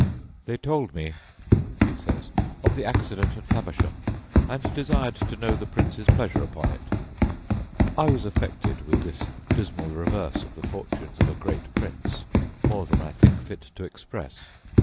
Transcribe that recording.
"They told me," he says, "of the accident at Faversham, and desired to know the Prince's pleasure upon it. I was affected with this dismal reverse of the fortunes of a great prince, more than I think fit to express.